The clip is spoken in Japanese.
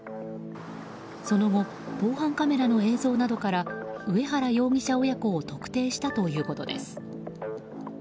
その後防犯カメラの映像などから上原容疑者親子を特定したということです。